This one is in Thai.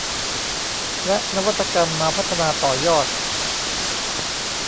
และนวัตกรรมมาพัฒนาต่อยอด